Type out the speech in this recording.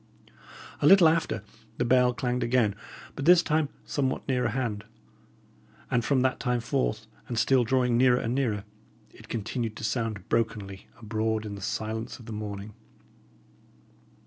A little after, the bell clanged again, but this time somewhat nearer hand; and from that time forth, and still drawing nearer and nearer, it continued to sound brokenly abroad in the silence of the morning.